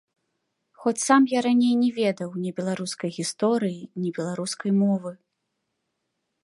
Хоць сам я раней не ведаў ні беларускай гісторыі, ні беларускай мовы.